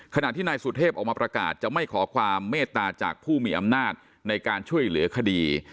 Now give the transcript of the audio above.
ขณะที่นายสุเทพออกมาประกาศจะไม่ขอความเมตตาจากผู้มีอำนาจในการช่วยเหลือคดี